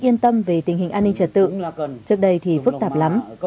yên tâm về tình hình an ninh trật tự trước đây thì phức tạp lắm